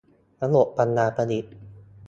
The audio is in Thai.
ระบบปัญญาประดิษฐ์